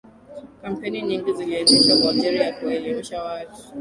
kampeini nyingi ziliendeshwa kwa ajiri ya kuwaelimisha watu